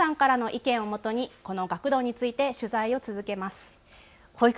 引き続き皆さんからの意見をもとに、この学童について取材を続けます。